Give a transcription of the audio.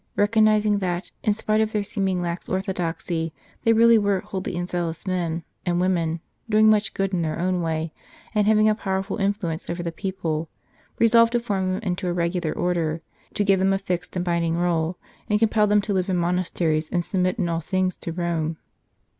recognizing that, in spite of their seeming lax orthodoxy, they really were holy and zealous men and women, doing much good in their own way and having a powerful influence over the people, resolved to form them into a regular Order, to give them a fixed and binding rule, and compel them to live in monas teries and submit in all things to Rome.